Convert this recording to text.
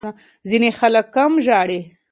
ځینې خلک کم ژاړي.